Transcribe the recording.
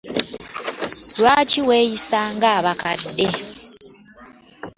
Lwaki weeyisa nga abakadde?